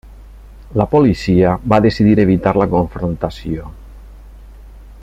La policia va decidir evitar la confrontació.